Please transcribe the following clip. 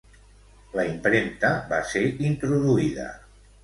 La impremta va ser introduïda.